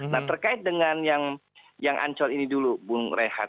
nah terkait dengan yang ancol ini dulu bung rehat